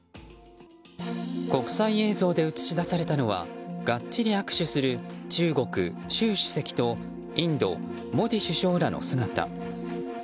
国際映像で映し出されたのはがっちり握手する中国、習主席とインド、モディ首相らの姿。